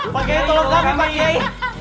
pak yai tolong kami pak yai